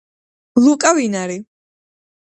ლუკა ვინარი